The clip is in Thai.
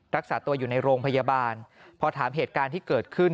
รักษาตัวอยู่ในโรงพยาบาลพอถามเหตุการณ์ที่เกิดขึ้น